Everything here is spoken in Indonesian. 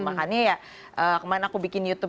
makanya ya kemarin aku bikin youtube